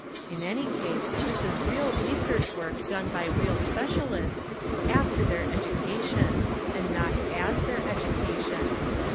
In any case this is real research work done by real specialists after their educa tion and not as their education.